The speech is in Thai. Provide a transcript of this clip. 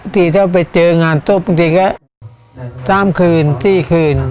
ทีถ้าไปเจองานศพบางทีก็๓คืน๔คืน